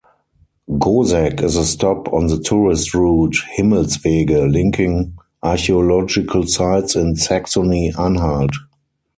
Goseck is a stop on the tourist route "Himmelswege", linking archaeological sites in Saxony-Anhalt.